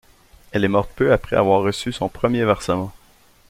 Elle est morte peu après avoir reçu son premier versement.